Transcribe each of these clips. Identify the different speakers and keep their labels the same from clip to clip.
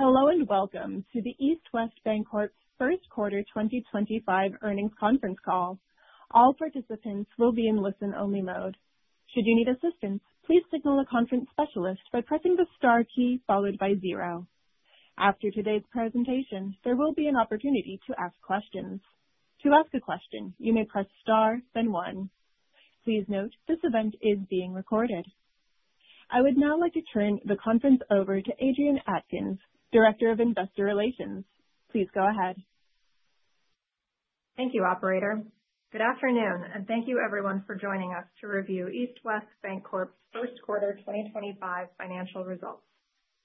Speaker 1: Hello and welcome to the East West Bancorp First Quarter 2025 Earnings Conference Call. All participants will be in listen only mode. Should you need assistance, please signal a conference specialist by pressing the star key followed by zero. After today's presentation, there will be an opportunity to ask questions. To ask a question, you may press star, then one. Please note this event is being recorded. I would now like to turn the conference over to Adrienne Atkinson, Director of Investor Relations. Please go ahead.
Speaker 2: Thank you operator. Good afternoon and thank you everyone for joining us to review East West Bancorp's First Quarter 2025 Financial Results.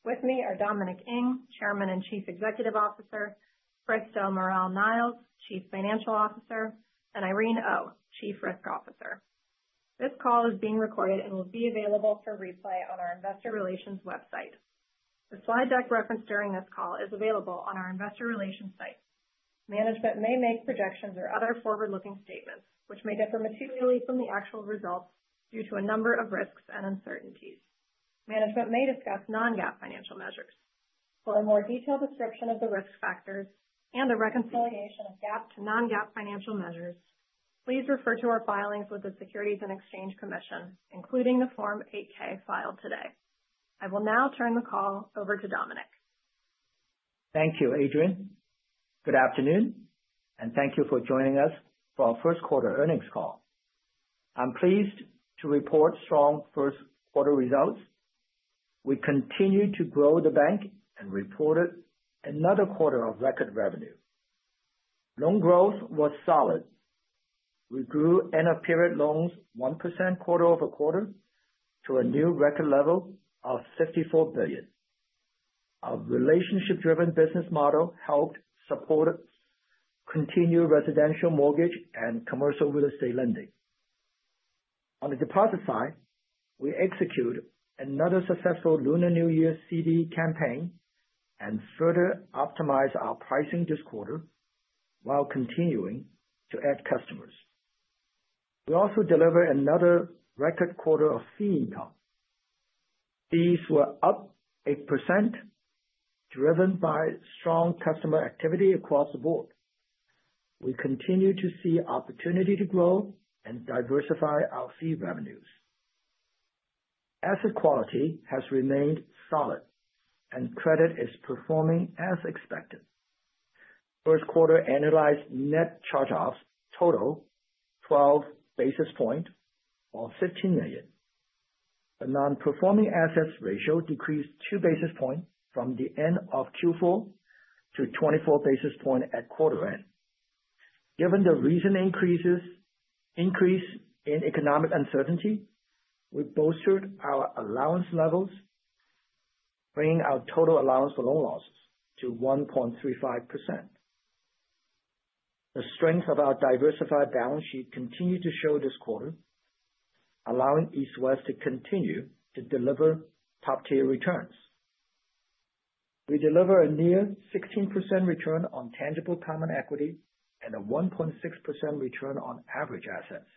Speaker 2: With me are Dominic Ng, Chairman and Chief Executive Officer, Christopher Del Moral-Niles, Chief Financial Officer, and Irene Oh, Chief Risk Officer. This call is being recorded and will be available for replay on our Investor Relations website. The slide deck referenced during this call is available on our Investor Relations site. Management may make projections or other forward looking statements which may differ materially from the actual results due to a number of risks and uncertainties. Management may discuss non-GAAP financial measures. For a more detailed description of the risk factors and a reconciliation of GAAP to non-GAAP financial measures, please refer to our filings with the Securities and Exchange Commission including the Form 8-K filed today. I will now turn the call over to Dominic.
Speaker 3: Thank you, Adrienne. Good afternoon and thank you for joining us for our First Quarter Earnings Call. I'm pleased to report strong first quarter results. We continue to grow the bank and reported another quarter of record revenue. Loan growth was solid, we grew end of period loans 1% quarter-over-quarter to a new record level of $54 billion. Our relationship driven business model helped support continued residential mortgage and commercial real estate lending. On the deposit side, we executed another successful Lunar New Year CD campaign and further optimized our pricing this quarter while continuing to add customers. We also delivered another record quarter of fee income. Fees were up 8% driven by strong customer activity across the board. We continue to see opportunity to grow and diversify our fee revenues. Asset quality has remained solid and credit is performing as expected. First quarter annualized net charge-offs total 12 basis points or $15 million. The non-performing assets ratio decreased 2 basis points from the end of Q4 to 24 basis points at quarter end. Given the recent increase in economic uncertainty, we bolstered our allowance levels, bringing our total allowance for loan losses to 1.35%. The strength of our diversified balance sheet continued to show this quarter, allowing East West to continue to deliver top tier returns. We deliver a near 16% return on tangible common equity and a 1.6% return on average assets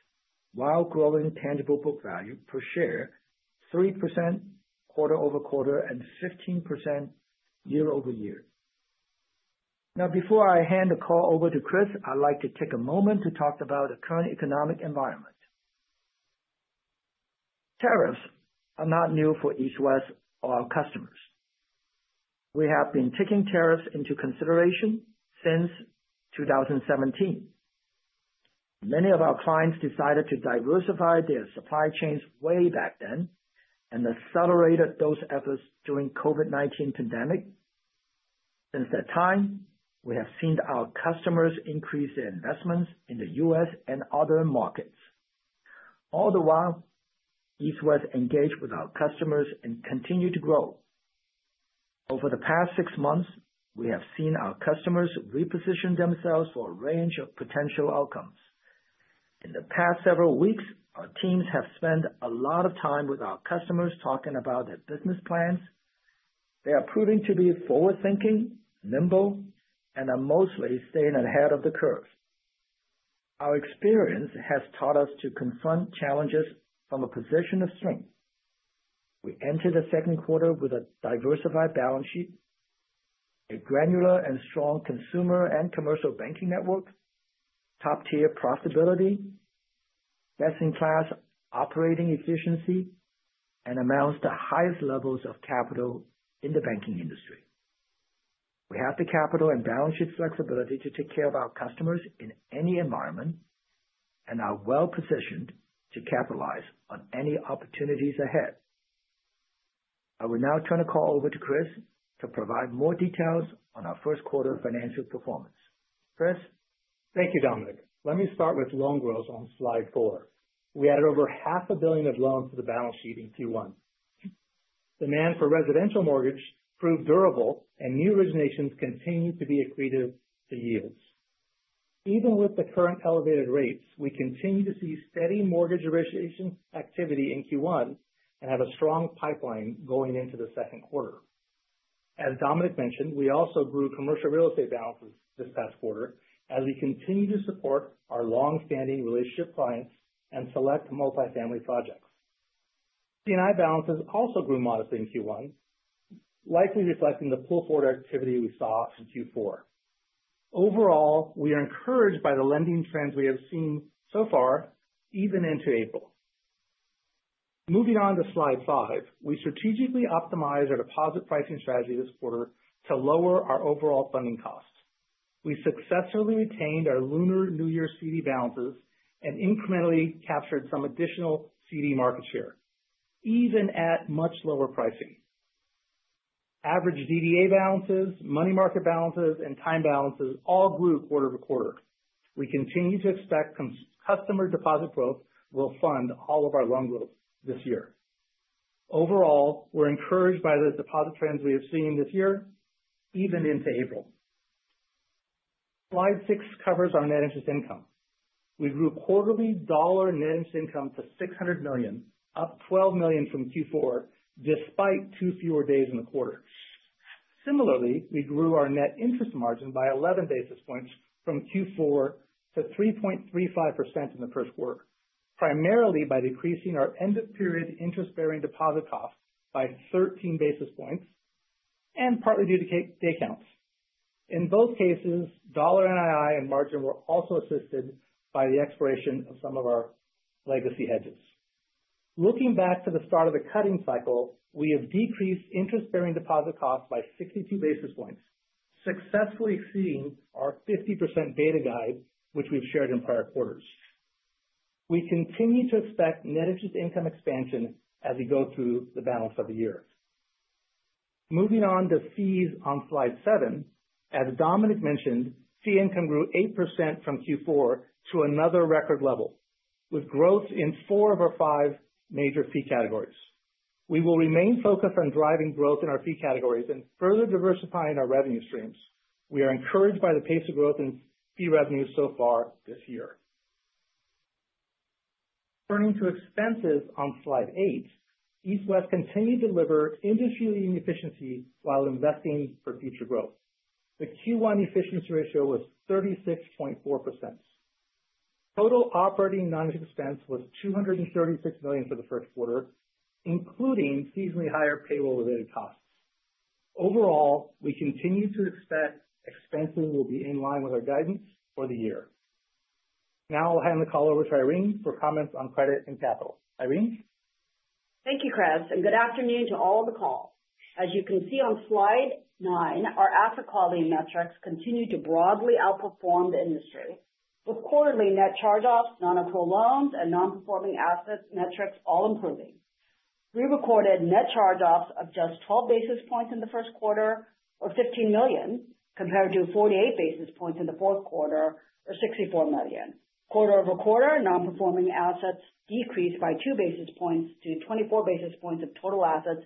Speaker 3: while growing tangible book value per share, 3% quarter-over-quarter and 15% year-over-year. Now, before I hand the call over to Chris, I'd like to take a moment to talk about the current economic environment. Tariffs are not new for East West or our customers. We have been taking tariffs into consideration since 2017. Many of our clients decided to diversify their supply chains way back then and accelerated those efforts during the COVID-19 pandemic. Since that time we have seen our customers increase their investments in the U.S. and other markets. All the while East West engaged with our customers and continue to grow. Over the past six months we have seen our customers reposition themselves for a range of potential outcomes. In the past several weeks our teams have spent a lot of time with our customers talking about their business plans. They are proving to be forward thinking, nimble and are mostly staying ahead of the curve. Our experience has taught us to confront challenges from a position of strength. We entered the second quarter with a diversified balance sheet, a granular and strong consumer and commercial banking network, top tier profitability, best in class operating efficiency, and amounts to highest levels of capital in the banking industry. We have the capital and balance sheet flexibility to take care of our customers in any environment and are well positioned to capitalize on any opportunities ahead. I will now turn the call over to Chris to provide more details on our first quarter financial performance. Chris?
Speaker 4: Thank you, Dominic. Let me start with loan growth on Slide 4. We added over $500 million of loans to the balance sheet in Q1. Demand for residential mortgage proved durable and new originations continue to be accretive to yields even with the current elevated rates. We continue to see steady mortgage origination activity in Q1 and have a strong pipeline going into the second quarter. As Dominic mentioned, we also grew commercial real estate balances this past quarter as we continue to support our long standing relationship clients and select multifamily projects. C&I balances also grew modestly in Q1, likely reflecting the pull forward activity we saw in Q4. Overall, we are encouraged by the lending trends we have seen so far even into April. Moving on to Slide 5, we strategically optimized our deposit pricing strategy this quarter to lower our overall funding cost. We successfully retained our Lunar New Year CD balances and incrementally captured some additional CD market share even at much lower pricing. Average DDA balances, money market balances and time balances all grew quarter-over-quarter. We continue to expect customer deposit growth will fund all of our loan growth this year. Overall, we're encouraged by the deposit trends we have seen this year even into April. Slide 6 covers our net interest income. We grew quarterly dollar net interest income to $600 million, up $12 million from Q4 despite two fewer days in the quarter. Similarly, we grew our net interest margin by 11 basis points from Q4 to 3.35% in the first quarter, primarily by decreasing our end of period interest bearing deposit cost by 13 basis points and partly due to day counts. In both cases, NII ($) and margin were also assisted by the expiration of some of our legacy hedges. Looking back to the start of the cutting cycle, we have decreased interest bearing deposit costs by 62 basis points, successfully exceeding our 50% beta guide which we've shared in prior quarters. We continue to expect net interest income expansion to as we go through the balance of the year. Moving on to Fees on Slide 7, as Dominic mentioned, fee income grew 8% from Q4 to another record level with growth in four of our five major fee categories. We will remain focused on driving growth in our fee categories and further diversifying our revenue streams. We are encouraged by the pace of growth in fee revenue so far this year. Turning to expenses on Slide 8, East West continued to deliver industry leading efficiency while investing for future growth. The Q1 efficiency ratio was 36.4%. Total operating noninterest expense was $236 million for the first quarter including seasonally higher payroll-related costs. Overall, we continue to expect expenses will be in line with our guidance for the year. Now I'll hand the call over to Irene for comments on credit and capital. Irene?
Speaker 5: Thank you Chris and good afternoon to all of the calls. As you can see on Slide 9, our asset quality metrics continue to broadly outperform the industry with quarterly net charge-offs, nonaccrual loans and non-performing assets metrics all improving. We recorded net charge-offs of just 12 basis points in the first quarter or $15 million compared to 48 basis points in the fourth quarter or $64 million. Quarter-over-quarter, non-performing assets decreased by 2 basis points to 24 basis points of total assets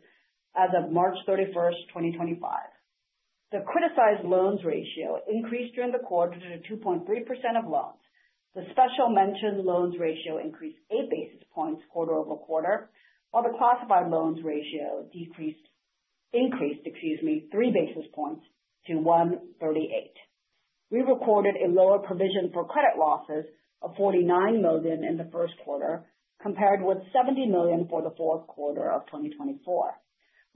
Speaker 5: as of March 31st, 2025. The criticized loans ratio increased during the quarter to 2.3% of loans. The special mention loans ratio increased 8 basis points quarter-over-quarter while the classified loans ratio decreased increased, excuse me, 3 basis points to 1.38%. We recorded a lower provision for credit losses of $49 million in the first quarter compared with $70 million for the fourth quarter of 2024.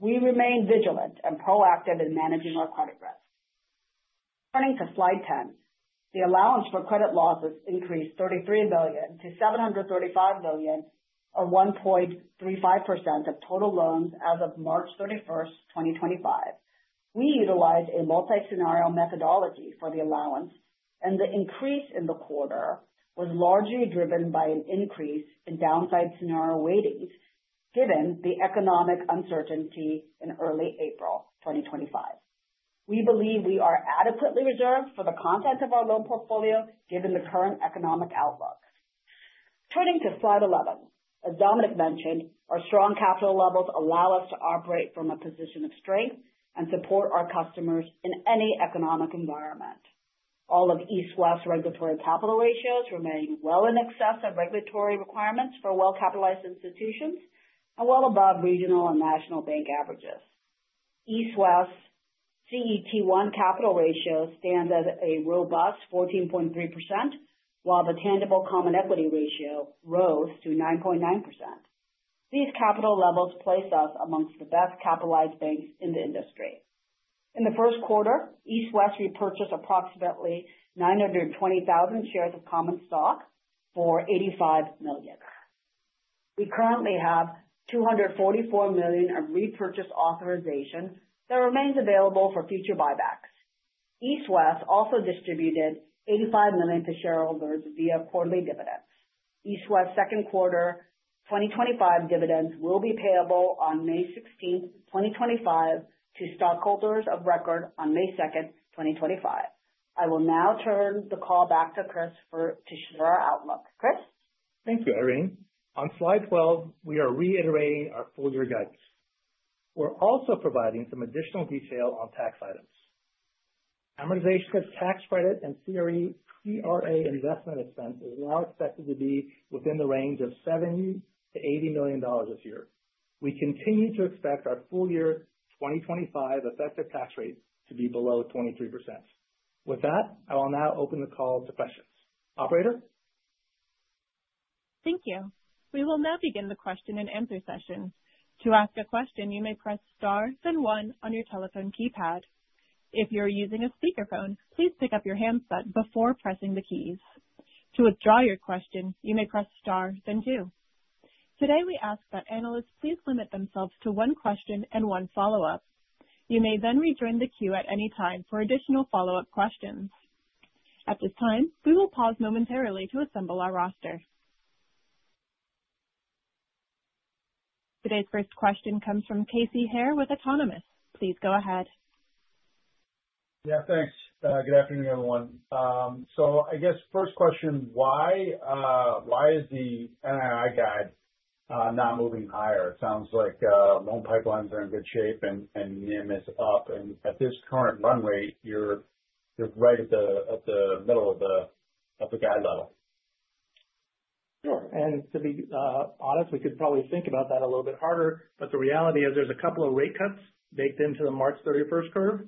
Speaker 5: We remain vigilant and proactive in managing our credit risk. Turning to Slide 10, the allowance for credit losses increased $33 million to $735 million or 1.35% of total loans as of March 31, 2025. We utilized a multi scenario methodology for the allowance and the increase in the quarter was largely driven by an increase in downside scenario weightings. Given the economic uncertainty in early April 2025, we believe we are adequately reserved for the content of our loan portfolio given the current economic outlook. Turning to Slide 11. As Dominic mentioned, our strong capital levels allow us to operate from a position of strength and support our customers in any economic environment. All of East West regulatory capital ratios remain well in excess of regulatory requirements for well capitalized institutions and well above regional and national bank averages. East West's CET1 capital ratio stands at a robust 14.3% while the tangible common equity ratio rose to 9.9%. These capital levels place us amongst the best capitalized banks in the industry. In the first quarter, East West repurchased approximately 920,000 shares of common stock for $85 million. We currently have $244 million of repurchase authorization that remains available for future buybacks. East West also distributed $85 million to shareholders via quarterly dividends. East West's second quarter 2025 dividends will be payable on May 16th, 2025 to stockholders of record on May 2, 2025. I will now turn the call back to Chris to share our outlook. Chris?
Speaker 4: Thank you, Irene. On slide 12, we are reiterating our full year guidance. We're also providing some additional detail on tax items. Amortization of tax credit and CRA investment expense is now expected to be within the range of $70 million-$80 million this year. We continue to expect our full year 2025 effective tax rate to be below 23%. With that, I will now open the call to questions. Operator.
Speaker 1: Thank you. We will now begin the question-and-answer session. To ask a question, you may press star then one on your telephone keypad. If you are using a speakerphone, please pick up your handset before pressing the keys to withdraw your question. You may press star then two. Today we ask that analysts please limit themselves to one question and one follow up. You may then rejoin the queue at any time for additional follow up questions. At this time we will pause momentarily to assemble our roster. Today's first question comes from Casey Haire with Autonomous. Please go ahead.
Speaker 6: Yeah, thanks. Good afternoon everyone. I guess first question. Why is the NII Guide not moving higher? It sounds like loan pipelines are in. Good shape and NIM is up. At this current runway, you're right. At the middle of the guide level.
Speaker 4: Sure. To be honest, we could probably think about that a little bit harder, but the reality is there's a couple of rate cuts baked into the March 31 curve.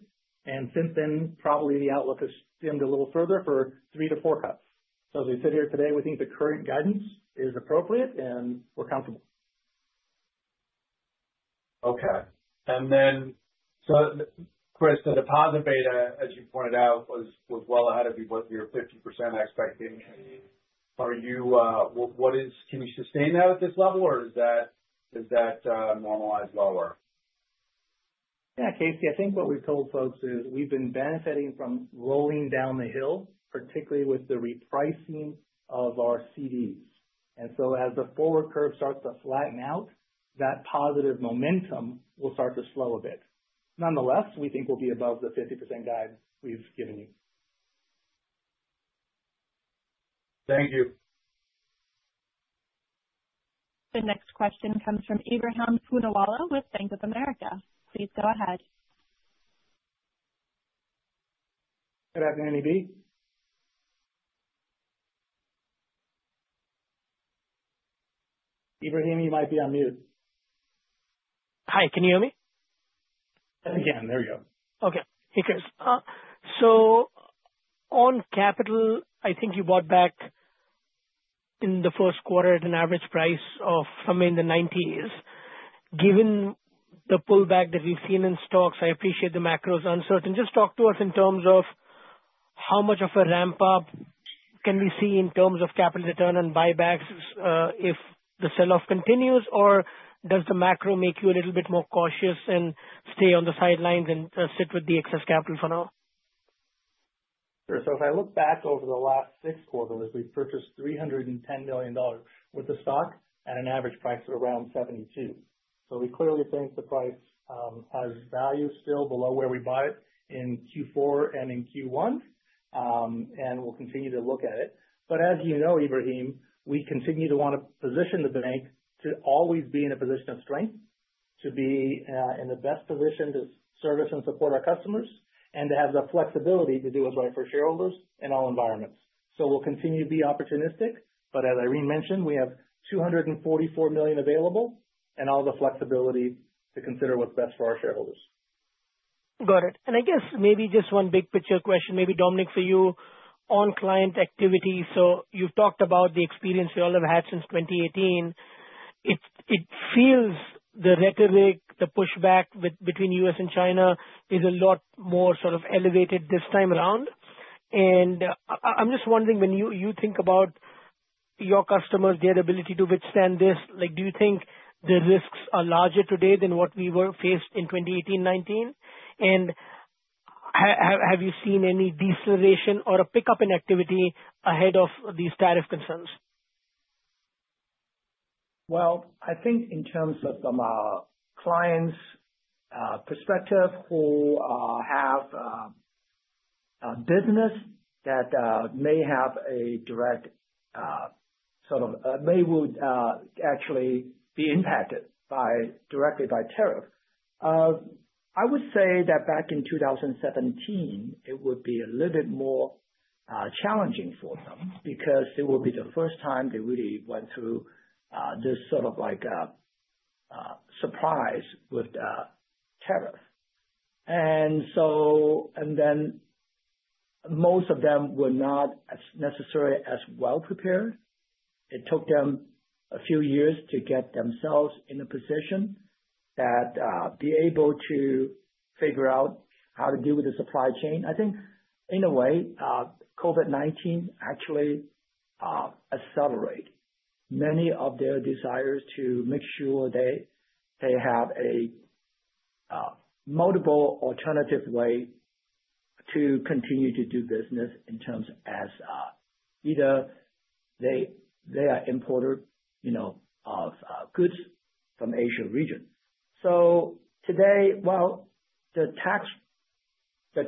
Speaker 4: Since then, probably the outlook has stemmed a little further for three to four cuts. As we sit here today, we think the current guidance is appropriate and we're comfortable.
Speaker 6: Okay, and then, Chris, the deposit beta, as you pointed out, was well. Ahead of your 50% expectation. Are you? What is? Can you sustain that at this level or does that normalize lower?
Speaker 4: Yeah, Casey, I think what we've told folks is we've been benefiting from rolling down the hill, particularly with the repricing of our CDs. As the forward curve starts to flatten out, that positive momentum will start to slow a bit. Nonetheless, we think we'll be above the 50% guide we've given you.
Speaker 6: Thank you.
Speaker 1: The next question comes from Ebrahim Poonawala with Bank of America. Please go ahead.
Speaker 4: Good afternoon. Ibrahim, you might be on mute.
Speaker 7: Hi, can you hear me?
Speaker 4: Yeah. There you go.
Speaker 7: Okay. Hey, Chris. On capital, I think you bought back in the first quarter at an average price of somewhere in the $90 million-ish, given the pullback that we've seen in stocks. I appreciate the macro's uncertain. Just talk to us in terms of how much of a ramp up can we see in terms of capital return and buybacks if the selloff continues? Does the macro make you a little bit more cautious and stay on the sidelines and sit with the excess capital for now?
Speaker 4: Sure. If I look back over the last six quarters, we purchased $310 million worth of stock at an average price of around $72. We clearly think the price has value still below where we bought it in Q4 and in Q1. We will continue to look at it. As you know, Ebrahim, we continue to want to position the bank to always be in a position of strength, to be in the best position to service and support our customers, and to have the flexibility to do what is right for shareholders in all environments. We will continue to be opportunistic. As Irene mentioned, we have $244 million available and all the flexibility to consider what is best for our shareholders.
Speaker 7: Got it. I guess maybe just one big picture question, maybe Dominic, for you on client activity. You have talked about the experience we all have had since 2018. It feels the rhetoric, the pushback between the U.S. and China is a lot more sort of elevated this time around. I am just wondering when you think about your customers, their ability to withstand this, like do you think the risks are larger today than what we were faced in 2018-2019 and have you seen any deceleration or a pickup in activity ahead of these tariff concerns?
Speaker 3: I think in terms of clients' perspective who have business that may have a direct sort of may would actually be impacted directly by tariff. I would say that back in 2017 it would be a little bit more challenging for them because it will be the first time they really went through this sort of like surprise with. Most of them were not necessarily as well prepared. It took them a few years to get themselves in a position that be able to figure out how to deal with the supply chain. I think in a way COVID-19 actually accelerate many of their desires to make sure they have a multiple alternative way to continue to do business in terms as either they are importer of goods from Asia region. Today. Well. The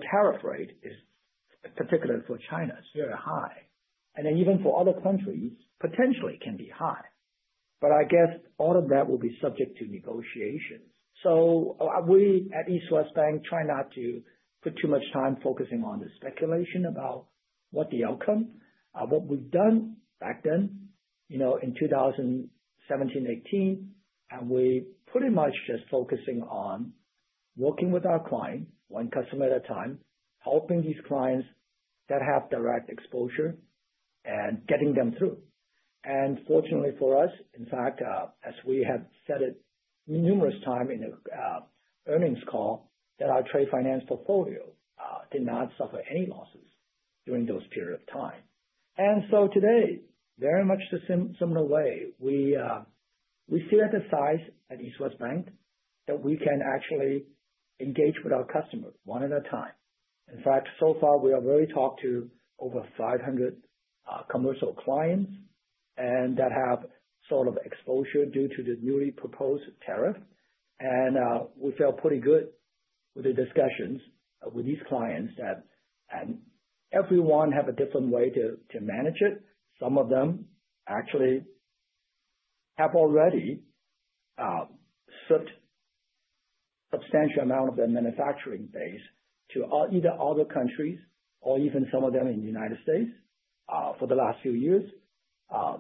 Speaker 3: tariff rate is particularly for China is very high. Then even for other countries potentially can be high. I guess all of that will be subject to negotiations. We, at East West Bank try not to put too much time focusing on the speculation about what the outcome what we've done back then, you know, in 2017-2018 we pretty much just focusing on working with our client one customer at a time, helping these clients that have direct exposure and getting them through. Fortunately for us, in fact, as we have said it numerous times in the earnings call that our trade finance portfolio did not suffer any losses during those period of time. Today, very much the similar way, we still have the size at East West Bank that we can actually engage with our customers one at a time. In fact, so far we have already talked to over 500 commercial clients that have sort of exposure due to the newly proposed tariff. We felt pretty good with the discussions with these clients that everyone have a different way to manage it. Some of them actually have already substantial amount of their manufacturing base to either other countries or even some of them in the United States for the last few years.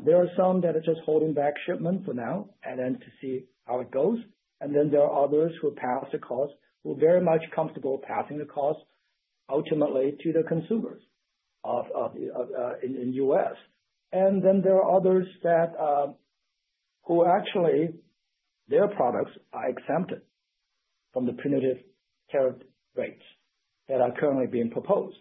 Speaker 3: There are some that are just holding back shipment for now to see how it goes. There are others who are very much comfortable passing the cost ultimately to the consumers in the U.S. and there are others who actually have their products exempted from the punitive tariff rates that are currently being proposed.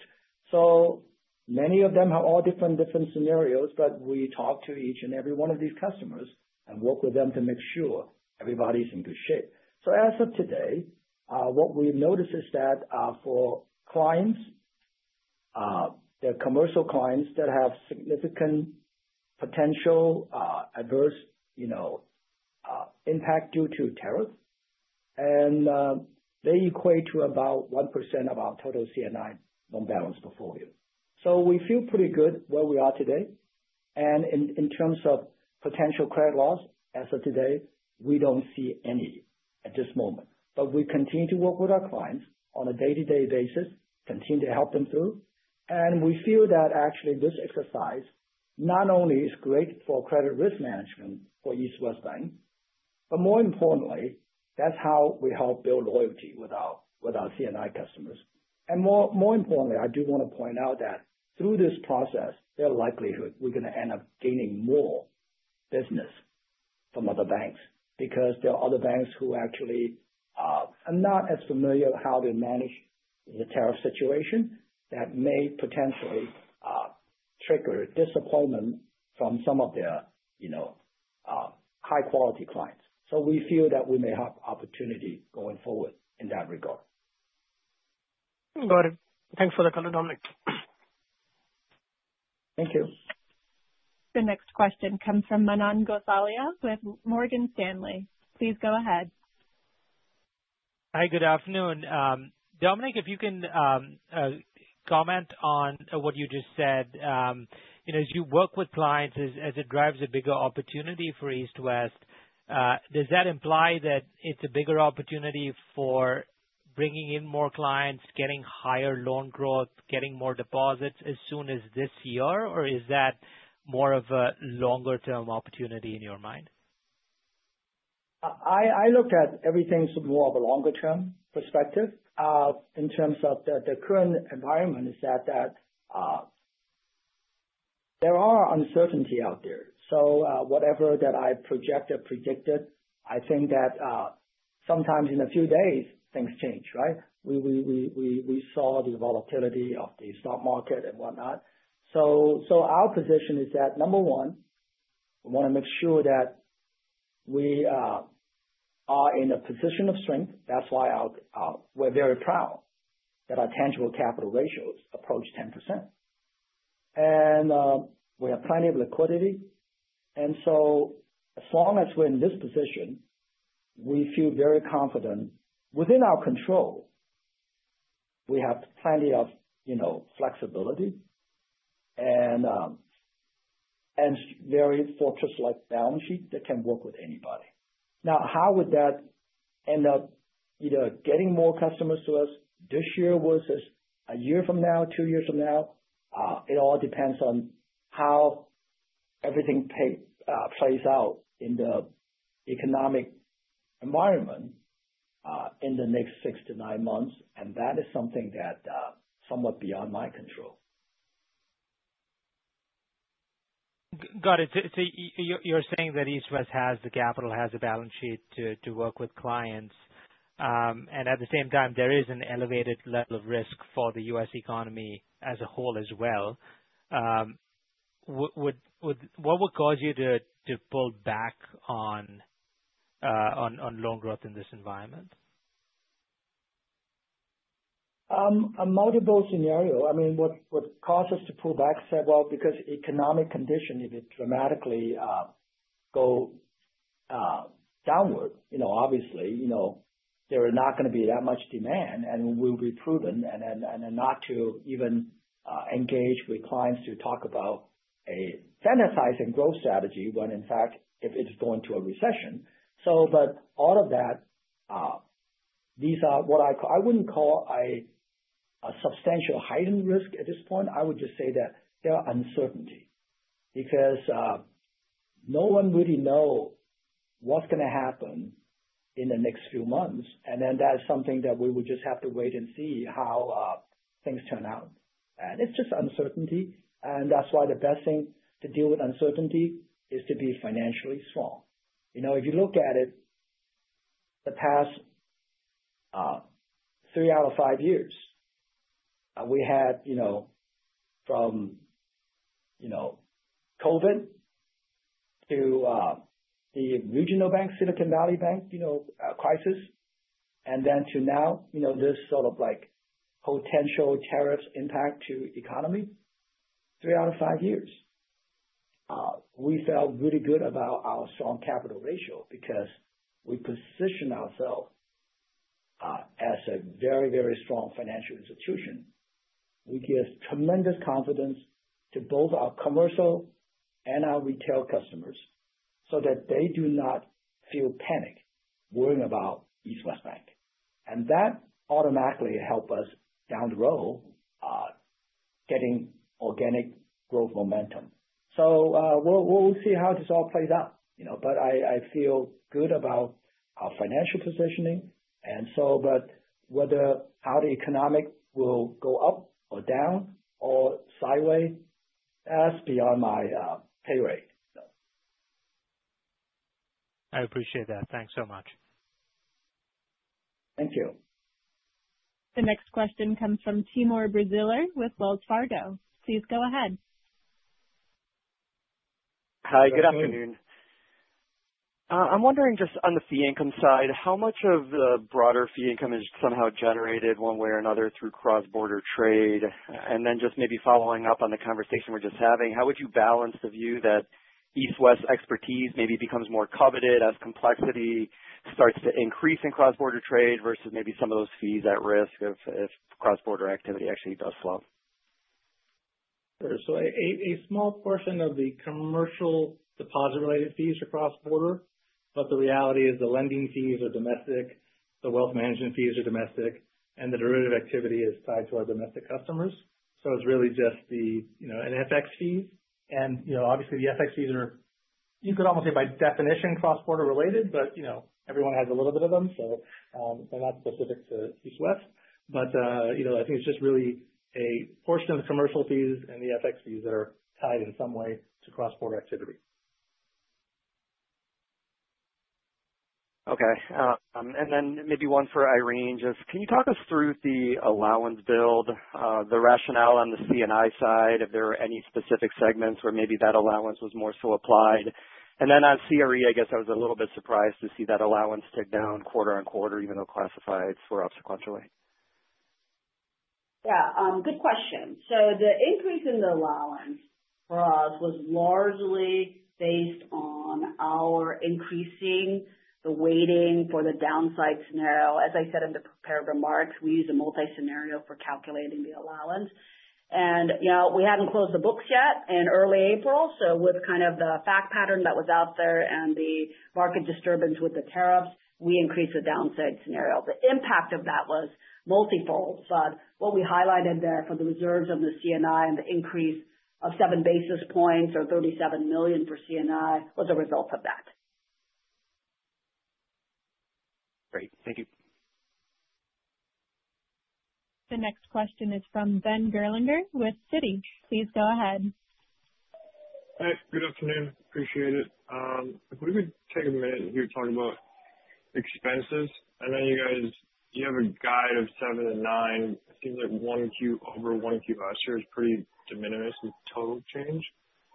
Speaker 3: Many of them have all different scenarios. We talk to each and every one of these customers and work with them to make sure everybody's in good shape. As of today, what we notice is that for clients, there are commercial clients that have significant potential adverse impact due to tariff and they equate to about 1% of our total C&I loan balance portfolio. We feel pretty good where we are today. In terms of potential credit loss as of today, we do not see any at this moment, but we continue to work with our clients on a day-to-day basis, continue to help them through and we feel that actually this exercise not only is great for credit risk management for East West Bank, but more importantly, that is how we help build loyalty with our C&I customers. More importantly, I do want to point out that through this process there is likelihood we are going to end up gaining more business from other banks because there are other banks who actually are not as familiar with how they manage the tariff situation that may potentially trigger disappointment from some of their, you know, high quality clients. We feel that we may have opportunity going forward in that regard.
Speaker 7: Got it. Thanks for the color, Dominic.
Speaker 1: The next question comes from Manan Gosalia with Morgan Stanley. Please go ahead.
Speaker 8: Hi, Good afternoon. Dominic, if you can comment on what you just said. As you work with clients as it drives a bigger opportunity for East West, does that imply that it's a bigger opportunity for bringing in more clients, getting higher loan growth, getting more deposits as soon as this year, or is that more of a longer term opportunity in your mind?
Speaker 3: I look at everything from more of a longer term perspective in terms of the current environment is that there are uncertainty out there. Whatever that I project predicted, I think that sometimes in a few days things change, right? We saw the volatility of the stock market and whatnot. Our position is that number one, we want to make sure that we are in a position of strength. That's why we're very proud that our tangible capital ratios approach 10% and we have plenty of liquidity. As long as we're in this position, we feel very confident within our control. We have plenty of flexibility and ery. fortress like balance sheet that can work with anybody. Now how would that end up either getting more customers to us this year versus a year from now, two years from now? It all depends on how everything plays out in the economic environment in the next six to nine months. That is something that is somewhat beyond my control.
Speaker 8: Got it. You're saying that East West has the capital, has a balance sheet to work with clients, and at the same time there is an elevated level of risk for the U.S. economy as a whole as well. What would cause you to pull back on loan growth in this environment?
Speaker 3: A multiple scenario? I mean what caused us to pull back said well because economic condition, if it dramatically go downward, obviously there are not going to be that much demand and we will be proven and not to even engage with clients to talk about a fantasizing growth strategy when in fact if it's going to a recession. All of that, these are what I call, I wouldn't call a substantial heightened risk at this point. I would just say that there are uncertainty because no one really know what's going to happen in the next few months. That is something that we would just have to wait and see how things turn out. It's just uncertainty. That's why the best thing to deal with uncertainty is to be financially strong. You know, if you look at it the past three out of five years we had, you know, from, you know, COVID to the regional bank Silicon Valley Bank crisis and then to now, you know, this sort of like potential tariff impact to economy, three out of five years we felt really good about our strong capital ratio because we position ourselves as a very, very strong financial institution. We give tremendous confidence to both our commercial and our retail customers so that they do not feel panic worrying about East West Bank. That automatically help us down the road getting organic growth momentum. We will see how this all plays out. I feel good about our financial positioning, but whether the economic will go up or down or sideways, that's beyond my pay rate.
Speaker 8: I appreciate that, thanks so much.
Speaker 3: Thank you.
Speaker 1: The next question comes from Timur Braziler with Wells Fargo. Please go ahead.
Speaker 9: Hi, good afternoon. I'm wondering just on the fee income side, how much of the broader fee income is somehow generated one way or another through cross border trade? Just maybe following up on the conversation we're just having, how would you balance the views that East West expertise maybe becomes more coveted as complexity starts to increase in cross border trade versus maybe some of those fees at risk if cross border activity actually does slow.
Speaker 4: A small portion of the commercial deposit related fees are cross border, but the reality is the lending fees are domestic, the wealth management fees are domestic, and the derivative activity is tied to our domestic customers. It is really just the FX fees, and obviously the FX fees are, you could almost say by definition, cross border related, but everyone has a little bit of them. They are not specific to East West, but I think it is just really a portion of the commercial fees and the FX fees are tied in some way to cross border activity.
Speaker 9: Okay, and then maybe one for Irene. Just can you talk us through the allowance, build the rationale on the C&I side if there are any specific segments where maybe that allowance was more so applied. On CRA, I guess I was a little bit surprised to see that allowance tick down quarter-on-quarter, even though classifieds were up sequentially.
Speaker 5: Yeah, good question. The increase in the allowance for us was largely based on our increasing the weighting for the downside scenario. As I said in the prepared remarks, we use a multi scenario for calculating the allowance. We had not closed the books yet in early April. With kind of the fact pattern that was out there and the market disturbance with the tariffs, we increased the downside scenario. The impact of that was multifold. What we highlighted there for the reserves of the C&I and the increase of 7 basis points or $37 million for C&I was a result of that.
Speaker 9: Great, thank you.
Speaker 1: The next question is from Ben Gerlinger with Citi. Please go ahead.
Speaker 10: Hi, good afternoon. Appreciate it. If we could take a minute here to talk about expenses. I know you guys, you have a guide of seven and nine. It seems like 1Q-over-1Q last year is pretty de minimis with total change.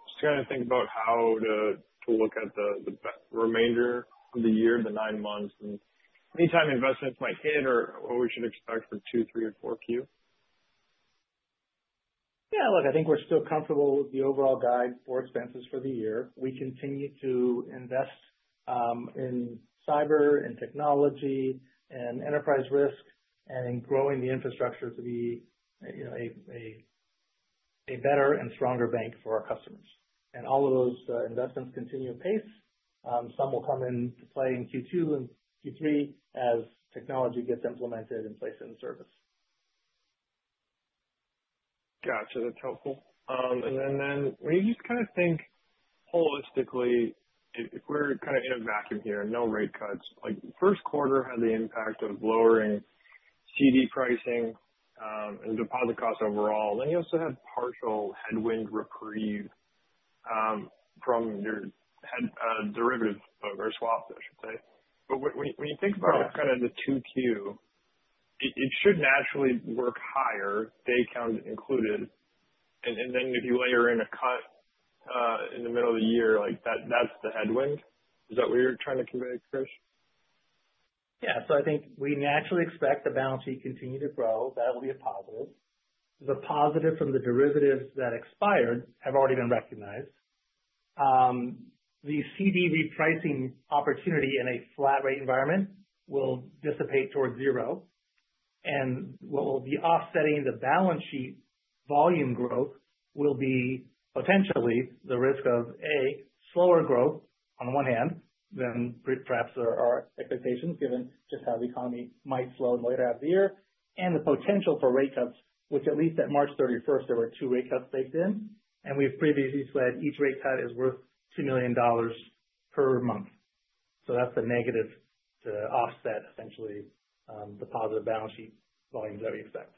Speaker 10: Just kind of think about how to look at the best remainder of the year, the nine months, anytime investments might hit, or what we should expect for 2Q, 3Q or 4Q.
Speaker 4: Yeah, look, I think we're still comfortable with the overall guide for expenses for the year. We continue to invest in cyber and technology and enterprise risk and in growing the infrastructure to be a better and stronger bank for our customers. All of those investments continue apace. Some will come into play in Q2 and Q3 as technology gets implemented and placed in service.
Speaker 10: Gotcha. That's helpful. When you just kind of think holistically, if we're kind of in a vacuum here, no rate cuts like first quarter had the impact of lowering CD pricing and deposit costs overall. You also had partial headwind reprieve from your derivative or swaps, I should say. When you think about kind of the 2Q, it should naturally work higher, day count included. If you layer in a Cut in the middle of the year, like that's the headwind. Is that what you're trying to convey, Chris?
Speaker 4: Yeah. I think we naturally expect the balance sheet to continue to grow. That will be a positive. The positive from the derivatives that expired have already been recognized. The CD repricing opportunity in a flat rate environment will dissipate towards zero. What will be offsetting the balance sheet volume growth will be potentially the risk of a slower growth on the one hand than perhaps there are expectations given just how the economy might slow in the later half of the year and the potential for rate cuts, which at least at March 31st there were two rate cuts baked in. We have previously said each rate cut is worth $2 million per month. That is the negative to offset essentially the positive balance sheet volumes that we expect.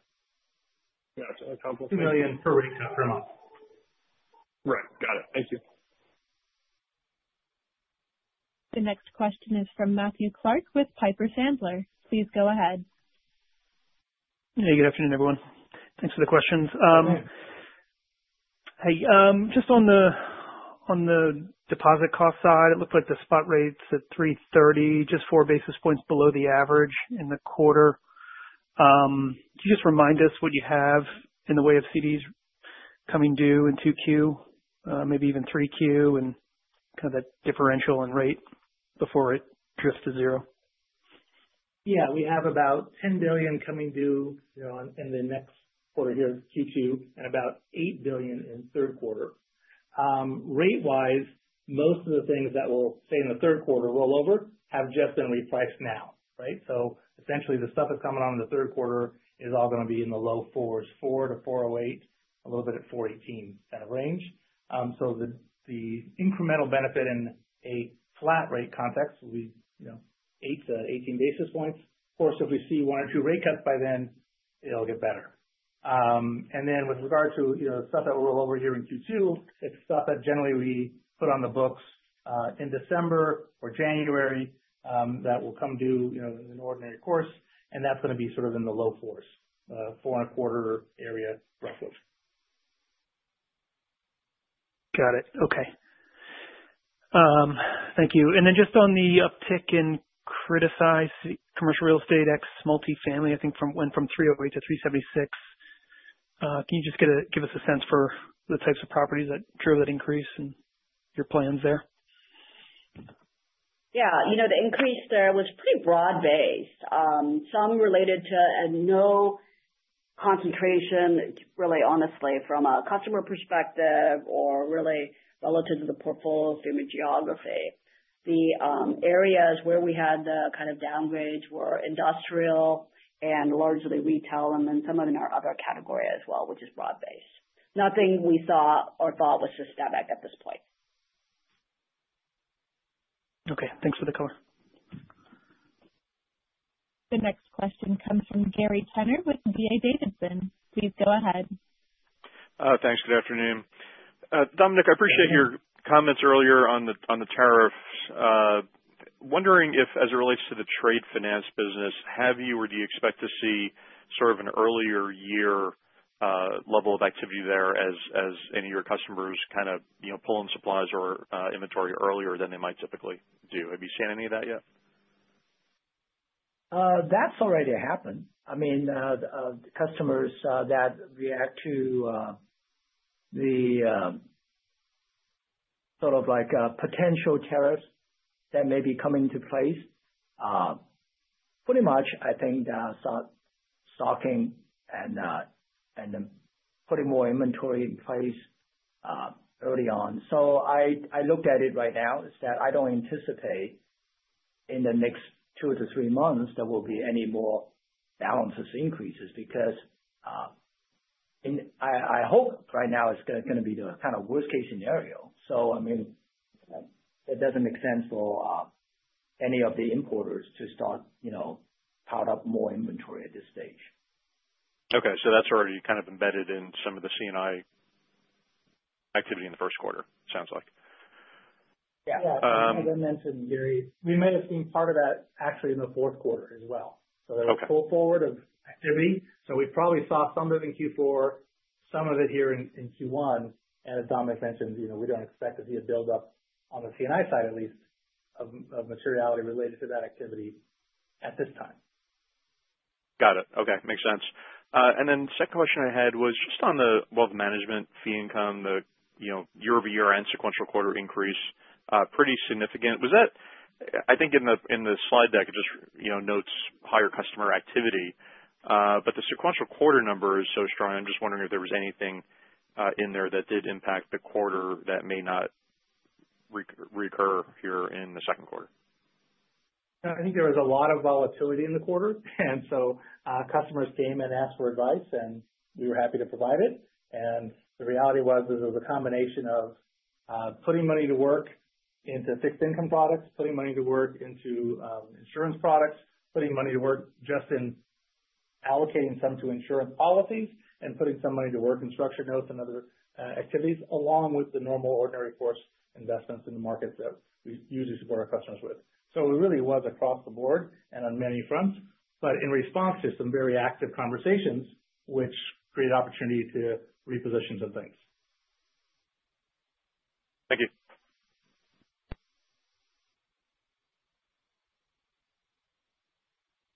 Speaker 4: $2 million per rate cut per month.
Speaker 10: Right, got it. Thank you.
Speaker 1: The next question is from Matthew Clark with Piper Sandler. Please go ahead.
Speaker 11: Hey, good afternoon everyone. Thanks for the questions. Hey, just on the deposit cost side. It looked like the spot rate's at 3.30%, just 4 basis points below the average in the quarter. Could you just remind us what you have in the way of CDs coming due in 2Q, maybe even 3Q and kind of that differential in rate before it drifts to zero?
Speaker 4: Yeah, we have about $10 billion coming due in the next quarter here, Q2, and about $8 billion in third quarter. Rate wise, most of the things that will stay in the third quarter rollover have just been repriced now. Right. Essentially the stuff that's coming on in the third quarter is all going to be in the low fours, 4% to 4.08%, a little bit at 4.18% kind of range. The incremental benefit in a flat rate context will be 8 basis points-18 basis points. Of course, if we see one or two rate cuts by then, it'll get better. With regard to stuff that will roll over here in Q2, it's stuff that generally we put on the books in December or January that will come due in an ordinary course. That's going to be sort of in the low fours, four and a quarter area roughly.
Speaker 11: Got it. Okay. Thank you. And then just on the uptick in criticized commercial real estate ex multifamily I think went from 308 to 376. Can you just give us a sense for the types of properties that drove that increase and your plans there?
Speaker 5: Yes, you know, the increase there was pretty broad based, some related to a. No concentration really. Honestly from a customer perspective or really relative to the portfolio geography, the areas where we had the kind of downgrades were industrial and largely retail and then some of in our other category as well, which is broad based. Nothing we thought or thought was systemic at this point.
Speaker 11: Okay, thanks for the color.
Speaker 1: The next question comes from Gary Tenner with D.A. Davidson. Please go ahead.
Speaker 12: Thanks. Good afternoon. Dominic, I appreciate your comments earlier on the tariffs. Wondering if as it relates to the trade finance business, have you or do you expect to see sort of an earlier year level of activity there as any of your customers kind of pull in supplies or inventory earlier than they might typically do? Have you seen any of that yet?
Speaker 3: That's already happened. I mean customers that react to the sort of like potential tariffs that may be coming to place pretty much. I think that stocking and putting more inventory in place early on. I look at it right now is that I don't anticipate in the next two to three months there will be any more balances increases because I hope right now it's going to be the kind of worst case scenario. I mean it doesn't make sense for any of the importers to start pile up more inventory at this stage.
Speaker 12: Okay, so that's already kind of embedded in some of the C&I activity in the first quarter. Sounds like.
Speaker 4: Yeah, as I mentioned Gary, we may have seen part of that actually in the fourth quarter as well. There was a full forward of activity. We probably saw some of it in Q4, some of it here in Q1 and as Dominic mentioned, we do not expect to see a buildup on the C&I side at least of materiality related to. That activity at this time.
Speaker 12: Got it. Okay, makes sense. The second question I had was just on the wealth management fee income, the year over year and sequential quarter increase pretty significant. Was that, I think in the slide deck it just notes higher customer activity, but the sequential quarter number is so strong. I'm just wondering if there was anything in there that did impact the quarter that may not recur here in the second quarter.
Speaker 4: I think there was a lot of volatility in the quarter and customers came and asked for advice and we were happy to provide it. The reality was it was a combination of putting money to work into fixed income products, putting money to work into insurance products, putting money to work just in allocating some to insurance policies and putting some money to work in structured notes and other activities along with the normal ordinary force investments in the markets that we usually support our customers with. It really was across the board and on many fronts but in response to some very active conversations which create opportunity to reposition some things.
Speaker 12: Thank you.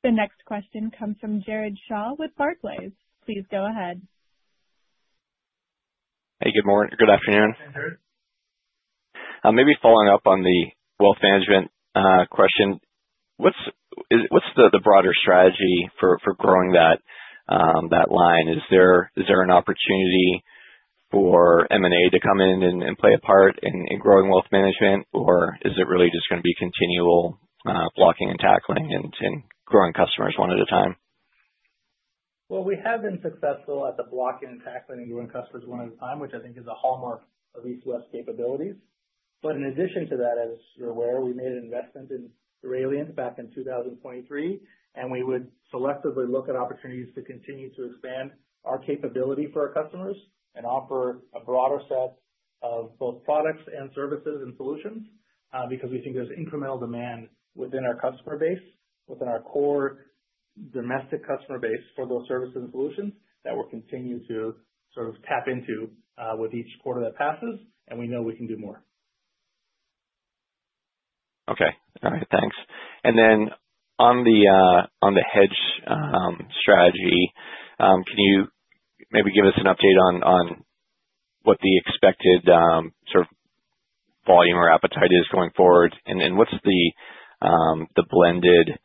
Speaker 1: The next question comes from Jared Shaw with Barclays. Please go ahead.
Speaker 13: Hey, good afternoon. Maybe following up on the wealth management question, what's the broader strategy for growing that line? Is there an opportunity for M&A to come in and play a part in growing wealth management or is it really just going to be continual blocking and tackling and growing customers one at a time?
Speaker 3: We have been successful at the blocking and tackling growing customers one at a time, which I think is a hallmark of East West capabilities. In addition to that, as you're aware, we made an investment in back in 2023 and we would selectively look at opportunities to continue to expand our capability for our customers and offer a broader set of both products and services and solutions because we think there's incremental demand within our customer base, within our core domestic customer base for those services and solutions that we'll continue to sort of tap into with each quarter that passes and we know we can do more.
Speaker 13: Okay, all right, thanks. On the hedge strategy, can you maybe give us an update on what the expected sort of volume or appetite is going forward and what's the blended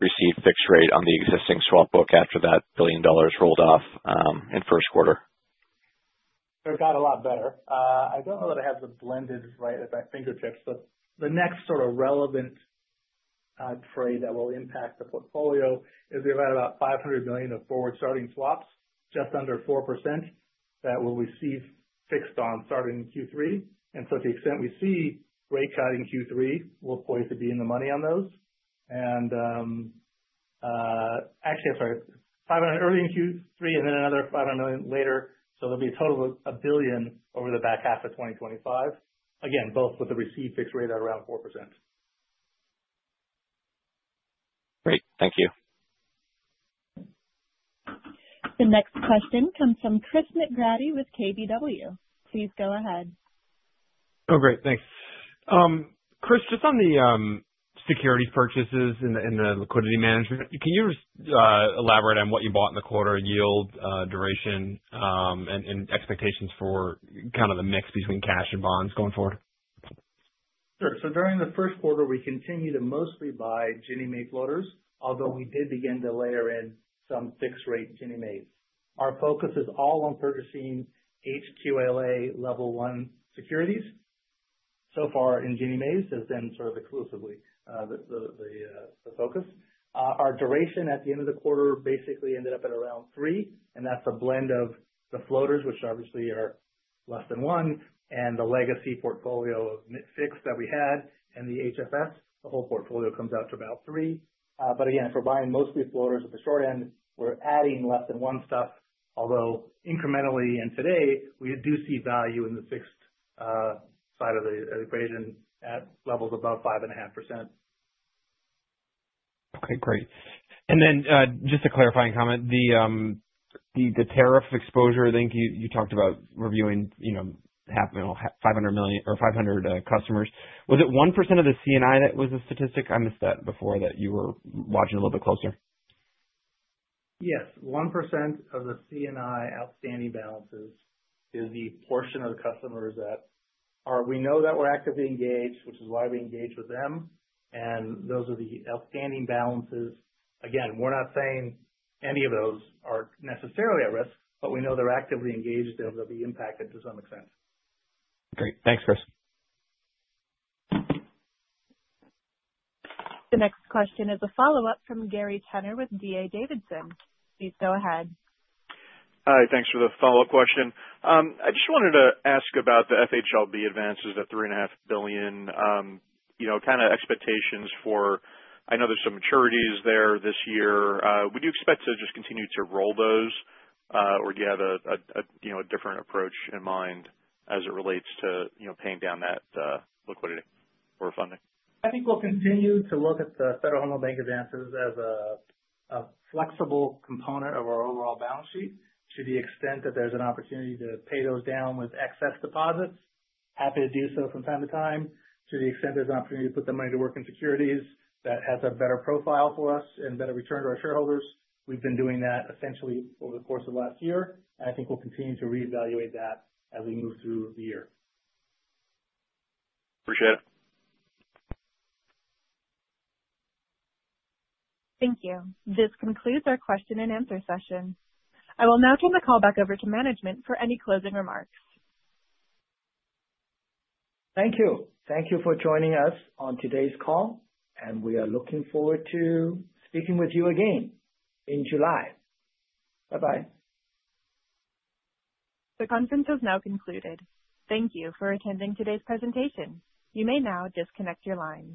Speaker 13: received fixed rate on the existing swap book after that billion dollars rolled off in? First quarter,
Speaker 4: it got a lot better. I don't know that I have the blended right at my fingertips. The next sort of relevant trade that will impact the portfolio is we have had about $500 million of forward starting swaps just under 4% that will receive fixed on starting in Q3. To the extent we see rate cut in Q3, we're poised to be in the money on those. Actually, I'm sorry, $500 million early in Q3 and then another $500 million later. There will be a total of $1 billion over the back half of 2025, again both with the received fixed rate at around 4%.
Speaker 13: Great, thank you.
Speaker 1: The next question comes from Chris McGratty with KBW. Please go ahead.
Speaker 14: Oh great, thanks. Chris, just on the security purchases and the liquidity management, can you elaborate on what you bought in the quarter yield duration and expectations for kind of the mix between cash and bonds going forward?
Speaker 4: Sure. During the first quarter we continue to mostly buy Ginnie Mae floaters, although we did begin to layer in some fixed rate Ginnie Maes. Our focus is all on purchasing HQLA Level 1 securities. So far in Ginnie Maes has been sort of exclusively the focus. Our duration at the end of the quarter basically ended up at around 3 and that's a blend of the floaters, which obviously are less than 1, and the legacy portfolio of fixed that we had and the HFS, the whole portfolio comes out to about 3. Again, if we're buying mostly floaters at the short end, we're adding less than one stuff, although incrementally. Today we do see value in the fixed side of the equation at levels above 5.5%.
Speaker 14: Okay, great. And then just a clarifying comment. The tariff exposure, I think you talked about reviewing 500 million customers, was it 1% of the C&I that was a statistic? I missed that before that you were watching a little bit closer.
Speaker 4: Yes. 1% of the C&I outstanding balances is the portion of the customers that we know that we're actively engaged, which is why we engage with them. Those are the outstanding balances. Again, we're not saying any of those are necessarily at risk, but we know they're actively engaged and they'll be impacted to some extent.
Speaker 14: Great. Thanks, Chris.
Speaker 1: The next question is a follow up from Gary Tenner with DA Davidson. Please go ahead.
Speaker 12: Hi. Thanks for the follow up question. I just wanted to ask about the FHLB advances at $3.5 billion kind of expectations for. I know there's some maturities there this year. Would you expect to just continue to roll those or do you have a different approach in mind as it relates to paying down that liquidity or funding?
Speaker 4: I think we'll continue to look at the Federal Home Loan Bank advances as a flexible component of our overall balance sheet to the extent that there's an opportunity to pay those down with excess deposits. Happy to do so from time to time. To the extent there's an opportunity to put the money to work in securities that has a better profile for us and better return to our shareholders, we've been doing that essentially over the course of last year and I think we'll continue to reevaluate that as we move through the year.
Speaker 12: Appreciate it.
Speaker 1: Thank you. This concludes our question-and-answer session. I will now turn the call back over to management for any closing remarks.
Speaker 4: Thank you. Thank you for joining us on today's call and we are looking forward to speaking with you again in July. Bye Bye.
Speaker 1: The conference has now concluded. Thank you for attending today's presentation. You may now disconnect your lines.